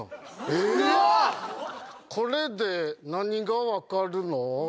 えーっこれで何が分かるの？